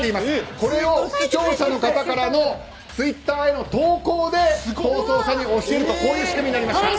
これを視聴者の方からのツイッターへの投稿で逃走者に教えるという仕組みになりました。